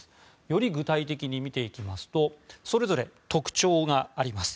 より具体的に見ていきますとそれぞれ特徴があります。